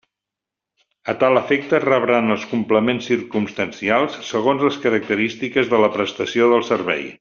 A tal efecte rebran els complements circumstancials segons les característiques de la prestació del servei.